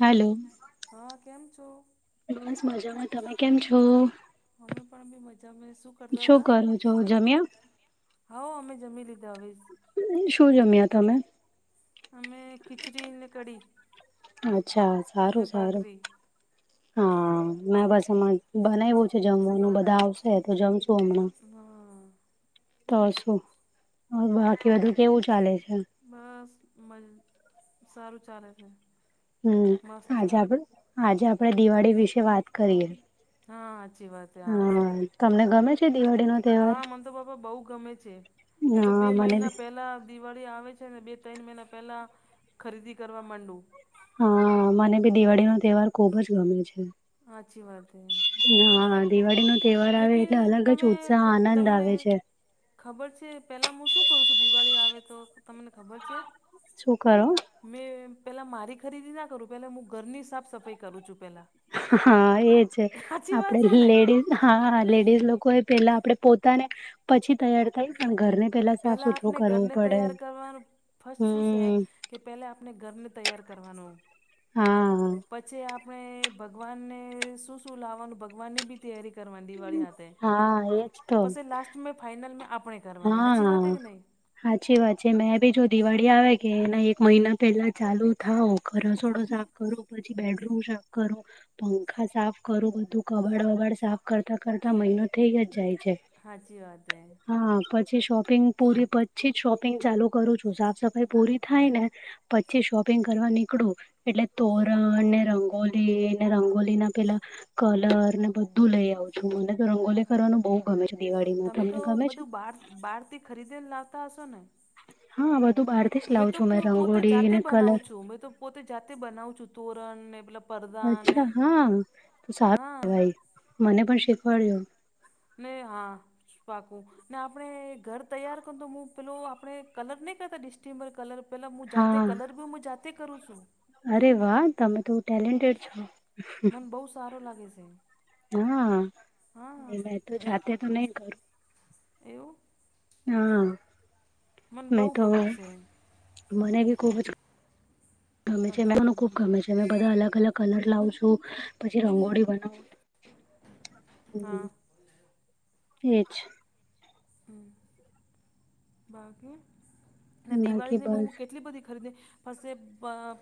Hello, હા કેમ છો.? બસ મજામાં તમે કેમ છો.? અમે પણ બી મજા મે શું કરતા હતા.? કરો છો જમ્યા? હા! અમે જમી લીધા આવીશ. શું જમ્યા તમે? અમે ખિચડી ને કઢી. અચ્છા ને સારું સારું ભાખરી હા. હમે મહારાજે બનાવ્યું છે. જમવાનું બધા આવશે, તો જમશું હમણાં. હમ! તો શું? બાકી બધું કેવું ચાલે છે? બસ મજ સારું ચાલે છે. હમ! મસ્ત આજે આપ આજે આપડે દિવાળી વિશે વાત કરીએે. હા સાચી વાત. હા સારું તમને ગમે છે દિવાળીનો તહેવાર? હા. મન તો પાપા બહુ ગમે છે. મે તો બે હા મને બી મહિના પહેલા દિવાળી આવે છે ને બે ત્રણ મહિના પેલા, ખરીદી કરવા માંડુ. હા મને બી દિવાળી નો તહેવાર ખુબ જ ગમે છે. અછી વાત હે. હા દિવાળી નો તહેવાર આવે એટલે અલગ જ તમે ઉત્સાહ આનંદ તમને આવે છે. ખબર છે પેલા હું શું કરું છું દિવાળી આવે તો તમને ખબર છે? શું કરો? મેં પેલા મારી ખરીદી ના કરું પેલા હું ઘરની સાફ સફાઈ કરું છું પેલા. હા એ છે સાચી વાત આપડે છે ને લેડીઝ હા લેડીઝ લોકો એ પેલા આપડે પોતે ને પછી તૈયાર થાય ત ઘરને સાફ પેલા સુથરું આપને કરવું ઘરને પડે તૈયાર કરવાનું ફર્ શું છે. હમ કે પેલા આપણે ઘરને તૈયાર કરવાનું. હા. પછી આપણે ભગવાનને શું શું લાવવાનું ભગવાનની બી તૈયારી કરવાની દિવાળી હાથે, હા એજ તો પછી લાસ્ટ મે ફાઈનલ મેં આપણે કરવાની. સાચી વાત હા, કે નહીં સાચી વાત છે મેં ભી જો દિવાળી આવે કે એના એક હમ મહિના પેલા ચાલુ થાવ ઘસોડો સાફ કરુ પછી બેડરૂમ સાફ કરુ. પંખા સાફ કરું બધું કબાડ વબાડ સાફ કરતા કરતા મહિનો થઇ જ જાય છે. સાચી વાત હૈ. હા પછી શોપિંગ પૂરી પછી જ શોપિંગ ચાલુ કરું છું સાફ સફાઈ પૂરી થાય ને. પછી શોપિંગ કરવા નીકળું. એટલે તોરણ ને રંગોલી ને રંગોલી ના પેલા કલર ને બધું લઈ આવ. મને તો રંગોલી હે કરવાનું બહુ ગમે છે દિવાળીમાં તમે તમને તો ગમે છે? બધું બાર તે ખરીદીને લાવતા હશે ને? હા બધું બારે મેં તો પોતે જાતે બનાવું છું મેં તો પોતે જાતે બનાવું છું તોરણ ને મલબ અચ્છા હા, તો હા સારું ભાઈ મને પણ શીખવાડજો. ને હા પાકું. ને આપણે ઘર તૈયાર કર તો હું પેલો આપડે કલર નહી કરતા ડિસ્ટિમ્બર કલર. પેલા હું જાતે હા કલર બી હું જાતે કરું છું. અરે વાહ તમે તો ટેલેન્ટેડ છો. મન બહુ સારો લાગે છે. હા, હા મે તો જાતે તો નહી કરું. એવું? હા, મને મેં બહુ તો ગમે છે મને કે ખુબ જ ગમે છે મને હાચી ખુબ ગમે છે. જેમે બધા અલગ અલગ કલર લાવ છુ, પછી રંગોળી બનાવ હા એ જ. હમ. બાકી, અને બાકી દિવાળી ની બસ કેટલી બધી ખરીદી. પછ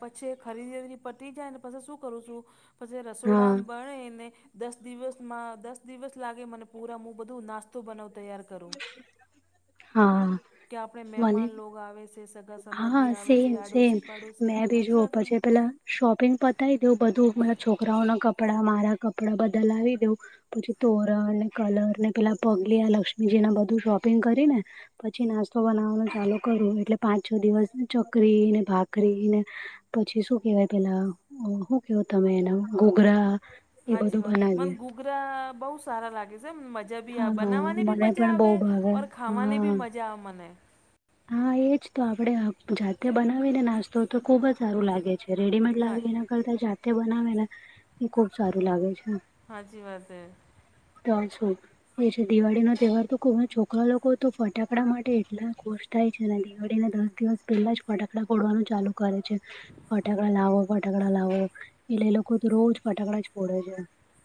પછી ખરીદી પટી જાય ને પછ શું કરું છું. પછી હા રસોડામ બણે ને. દસ દિવસમાં દસ દિવસ લાગે મને પૂરા હું બધું નાસ્તો બનાવું તૈયાર કરું. હા. કે આપણે મને મહેમાન લોગ આવે છે સ હા સેમ સેમ, મેં આવે બી સાચી જોવ વાત પ છે પેલા શોપિંગ પતાવી દવ બધું મારા છોકરાઓના કપડા મારા કપડાં બદલાવી દેવ. પછી તોરણ ને કલર ને પેલા પગલ લક્ષ્મીજીના બધું શોપિંગ કરી ને. પછી નાસ્તો બનાવવાનું ચાલુ કરું એટલે પાંચ છ દિવસ ચકરી ને ભાખરીને. પછી શું કેવાય પેલા શું કેવું તમે એના ઘોઘરા. એ સાાચી બધું વાત, બનાવીએ મને ગુગરા બહુ સારા લાગે છે એમ મજા મજા ભી આ હા બનાવા ને ભી મને મજા પણ બહુ આવે, ભાવે ર ખાવાને ભ હા મજા આવે મને. હા એજ તો આપડે જાતે બનાવીને નાસ્તો તો ખુબ જ સારું લાગે છે. રેડીમેડ હા લાવી એના કરતા જાતે બનાવે ને. એ ખુબ સારું લાગે છે. સાચી વાત હે તો શું, એ છે દિવાળી નો તહેવાર તો છોકરા લોકો તો ફટાકડા માટે એટલા કો થાય છે અને દિવાળીને દસ દિવસ પહેલા જ ફટાકડા ફોડવાનું ચાલુ કરે છે, ફટાકડા લાવો. ફટાકડા લાવો, એટલે એ લોકો તો રોજ ફટાકડા જ ફોડે છે.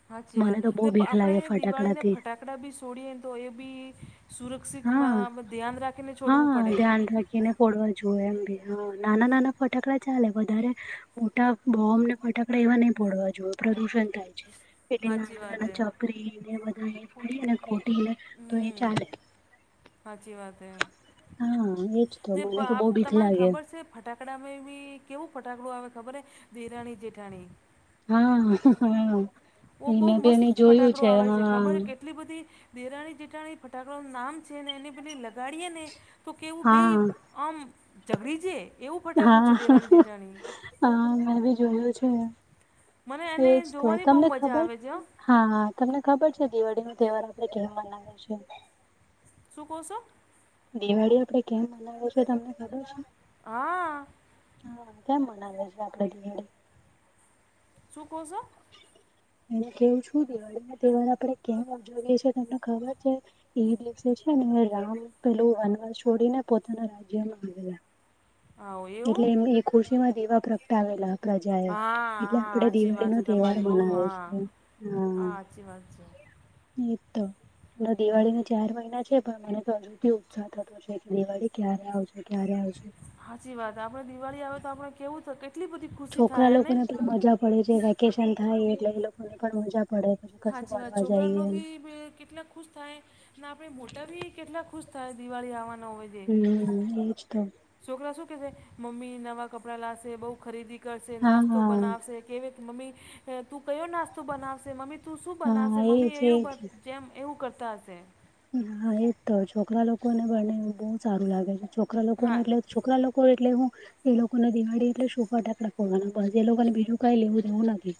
સાચી મને વાત, તો બહુ બીક લાગે આપણેે દિવાળી ને ફટાકડાથી ફટાક કકડાં બી છોડીએ ને તો એ બી, હા સુરક્ષિતમાં ધ્યાન રાખીને છોડવું પડે. કીને ફોડવા જોએ એમ નાના નાના ફટાકડા ચાલે વધારે, મોટા બોમ્બ ને ફટાકડા એવા નહી પડવા જોએ પ્રદુષણ થાય છે. એટલે સાચી નાના વાત હે નાના ચકરી ને બધા એ ફોડીને ખોટીને, તો એ હમ ચાલે. સાચી વાત હ, હા એજ તો ને મને તો આપ બહુ બીક તમાને લાગે ખબર છે. ફટાકડામાં બી કેવું ફટાકડું આવે ખબર, ધિરાણી જેઠાણી. હા હા. ઓ એ બહુ મેં બી મસ્ત એને જોયું ફટાકડો આવે છે હા ખબર કે એટલી બધી, દેરાણી જેઠાણી ફટાકડાનું નામ છે ને એને બધી લગાડીએ ને. તો કેવું બે હા આમ ઝઘડી છે એવું ફટાકું હા છે દેરાણી જેઠાણી. હા મે બી જોયું છું, મને એને એજ તો જોવાની બહુ તમને મજા ખબર આવે છે હો હા હા તમને ખબર છે દિવાળી નો તહેવાર આપડણે કેમ મનાવી છે? શું કહો છો? દિવાળી આપડે કેમ મનાવ છે તમને ખબર છે? હા. હા કેમ મનાવે છે આપે દિવાળી? શું કંસો? એનું કેવું શું દિવાળી ના તહેવાર આપણે કેમજવીએ છેએ તમને ખબર છે? એ દિવસે છે ને રામ પેલું અનાજ છોડીને પોતાના રાજ્યમાં આવે. હા એવું એટલે એમ એ ખુશી માં દીવા પ્રગટાવેલા. પ્રજા એ, હા એટલે હા આપડે સાચી દિવાળી વાત નો છે તહેવાર તમારી બહુ મનાવે હા છે હા. સાચી વાત છે એ તો, હમ, દિવાળી નથી ચાર મહિના છે પણ મને તો હજુથી ઉત્સાહ થતો છે કે દિવાળી ક્યારે આવશે ક્યારે આવશે. સાચી વાત આપડે દિવાળી આવે તો આપડણે કેવું તો કેટલી બધી ખુશી છોકરા થાય ને લોકોને પણ મજા પડે છે વેકેશન થાય એટલે એ લોકોને પણ મજા પડે. પછી હા કશું જે વાત ફરવા છોકરા જઈએ લોકોી કેટલા ખુશ થાય. ના આપે મોટા ભી કેટલા ખુશ થાય દિવાળી આવવાના હોય તે હમ એવજ તો. છોકરા શું કેશે, મમ્મી નવા કપડા લાશે બઉ ખરીદી કરશે હા નાસ્તો હા બનાવશે. કે કે મમ્મી, તું કયો નાસ્તો બનાવશે મમ્મી તું શું હા બનાવશે મમ્મી એજ એજ એવું. જેમ એવું કરતા હશે. હા, એજ તો છોકરા લોકો ને બને બહુ સારું લાગે છે. છોકરા લોકોને હા એટલે... છોકરા લોકો એટલે હું.... એ લોકોને દિવાળી એટલે શું? ફાટાકડા ફોડવાના બસ એ લોકોને બીજું કાંઈ લેવું દેવું નથી.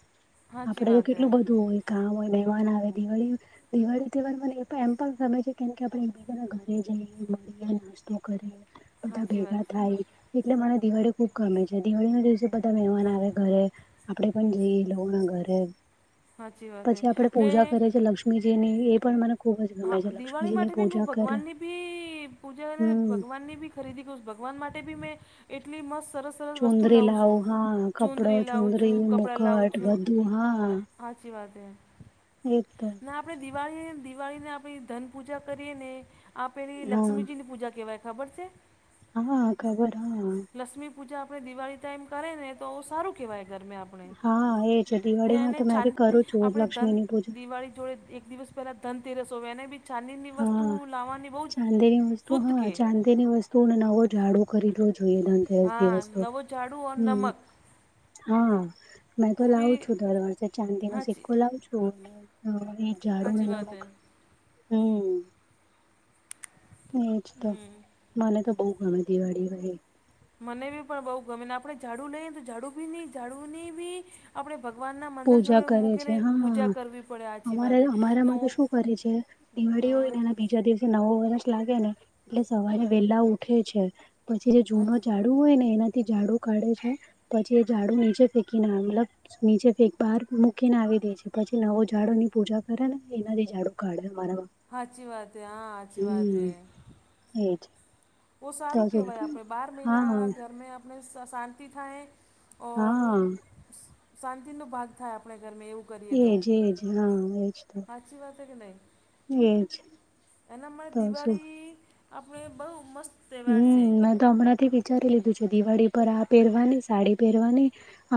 સાચી આપડે તો વાત હે કેટલું બધું હોય કામ હોય. મહેમાન આવે દિવાળીનું દિવાળી તહેવાર મને એ પણ એમ... પણ ગમે છે. કેમ કે, આપણે એકબીજા ના ઘરે જઈએ મળીએ નાસ્તો કરીએ. બધા સાચી ભેગા વાત છે થાય. એટલે મને દિવાળી ખુબ ગમે છે. દિવાળી ના દિવસે બધા મહેમાન આવે ઘરે. આપડે પણ જઈએ એ લોકો ના ઘરે. સાચી વાત હે પછી આપડે ને પૂજા કરીએ છીએ. લક્ષ્મીજી ની એ પણ મને ખુબ જ..... હા, ગમે છે દિવાળી લક્ષ્મીજીની માટે ભી હું પૂજા કરે ભગવાનની ભી પૂજા અને હમ ભગવાનની ભી..... ખરીદી કરી. ભગવાન માટે બી મેં એટલી મસ્ત સરસ. સરસ વસ્તુ ચુંદરી લાવું લાવ છું હા કપડો ચુંદડી લાવું ચુંદરી છું, કપડાં લાવું મુકટ છું. બધું સાચી વાત છે. એક તો.... અને આપણે દિવાળી દિવાળીની આપણી ધનપૂજા કરીએ. ને..... આ પેલી હા લક્ષ્મીજીની પૂજા કહેવાય ખબર છે? હા ખબર હાઅ. લક્ષ્મી પૂજા આપણે દિવાળી ટાઈમ કરે ને તો સારું કહેવાય. ઘરમા હા એજ દિવાળીમાં આપણે.. તો મેં બી ચાંદ કરું છું આપણે ધન લક્ષ્મીની પૂજા દિવાળી જોડે એક દિવસ... પહેલા ધનતેરસ હોય. એને બી ચાંદી ની વસ્તુ હા લાવવાની બહુ શુદ્ધ કે, ચાંદી ની વસ્તુને નવો ઝાડુ ખરીદવો જોઈએ. ધનતેરસ હા દિવસ તો, નવો ઝાડુ ઓર હમ.... નમક હા, મેં તો ઓ લાવું બી છું. દર વર્ષે ચાંદી નો હાચી સિક્કો લાવુ છું. એ ઝાડું ને હાચી વાત નવું હે હમ..... એજ તો, હમ મને તો બહુ ગમે દિવાળી હોઈ એ. મને બી પણ બહુ ગમે ને આપણે ઝાડુ લઈએ. તો, ઝાડુ બી નહી ઝાડુ ની ભી.... આપણે ભગવાનના મંદિર પૂજા જોડે કરે મૂકીને છે હા પૂજા કરવી પડે સાચી વાત અમારા એ.... અમારામાં તો શું કરે છે દિવાળી હોય ને એના બીજા દિવસે નવું વર્ષ લાગે ને એટલે સવારે વહેલા ઉઠે છે. પછી જે જૂનો હાચ- ઝાડુ હોય ને એને... થી ઝાડુ કાઢે છે. પછી એ ઝાડુ નીચે ફેંકી ને મતલબ નીચે.... એ બહાર મૂકીને આવી દે છે. પછી નવો ઝાડુ ની પૂજા કરે ને એનાથી ઝાડું કાઢે મારા... હા સાચી વાત હે. હા સાચી વાત હે. એ જ. બહુ સારું કહેવાય. આપણે બાર હા મહિના ઘર ને આપણે શાંતિ થાય. ઓર હા શાંતિનો વાસ થાય. આપણા ઘરમાં એવું... કરીએ તો એજ એજ હા એજ તો. સાચી વાત છે કે નહી, એજ એના મા તો શું દિવાળી... આપણ બહુ મસ્ત તહેવાાર છે. હમ મેં તો હમણાંથી વિચારી લીધું છે. દિવાળી પર આ પહેરવાની સાડી પહેરવાની.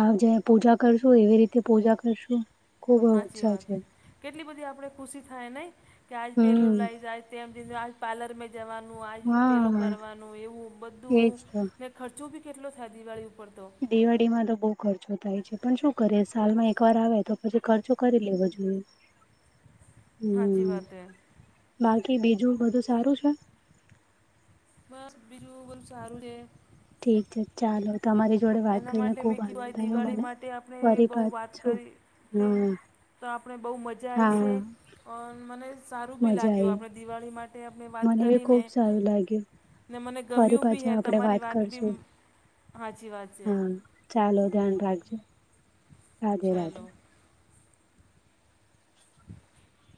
હ જે પૂજા કરશું. એવી રીતે પૂજા કરશું, ખુબ સાચી ઉત્સાહ વાત છે. કેટલી બધી આપણે ખુશી થાય નહી કે, આજ પેલું હમ લઈ જાય, તેમ લય જાય, આજ પાર્લર... જવાનું આ પેલું હા કરવાનું એવું એજ બધું તો ને... ખર્ચો ભી કેટલો થાય દિવાળી ઉપર તો! દિવાળીમાં તો બહુ ખર્ચો થાય છે, પણ શું કરીેએ સાલમાં એક વાર આવે તો પછી ખર્ચો કરી લેવો જોઈએ. [inaudible] સાચી હમ વાત એ. બાકી બીજું બધું સારું છે? બસ બીજું બધું સારું છે. ઠીક છે ચાલો. તમારી જોડે વાત એના કરીને માટે ખુબ મેં કીધું આનંદ આ થયો દિવાળી મને માટે આપણે ફરી બહુ પાત વાત છું. કરી તે હમ તો આપણે બહુ મજા આવીશે મને સારું બી મજા લાગ્યું આવી આપણે દિવાળી મા માટે અમે વાત મને બી ખુબ કરીને સારું લાગ્યું ને મને ફરી ગમ્યું બી પાછા હે આપડે તમારી વાત બી કરશું હાચી વાત છે. હા ચાલો ધ્યાન રાખજો રાધે ચલો રાધે. [inaudible]